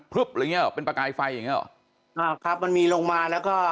อะไรอย่างเงี้เหรอเป็นประกายไฟอย่างเงี้หรออ่าครับมันมีลงมาแล้วก็